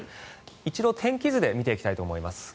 一度、天気図で見ていきたいと思います。